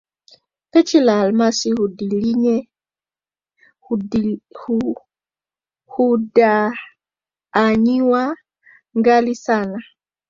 Peche ya almasi hudhanywa gali sana